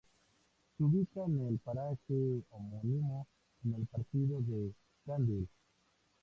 Se ubica en el paraje homónimo, en el Partido de Tandil.